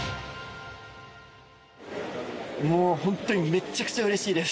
もう本当にめっちゃくちゃうれしいです。